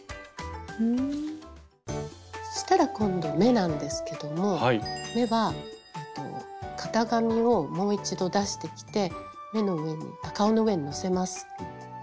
そしたら今度目なんですけども目は型紙をもう一度出してきて顔の上にのせます。